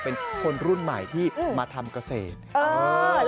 เป็นคนรุ่นใหม่ที่มาทำเกษตร